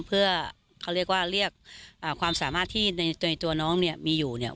เพื่อเขาเรียกว่าเรียกความสามารถที่ในตัวน้องเนี่ยมีอยู่เนี่ย